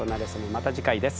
また次回です。